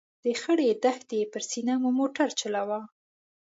د خړې دښتې پر سینه مو موټر چلاوه.